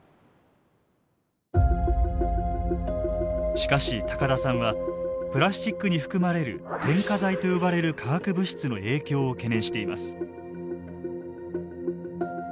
しかし高田さんはプラスチックに含まれる添加剤と呼ばれる化学物質の影響を懸念しています。